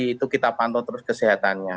itu kita pantau terus kesehatannya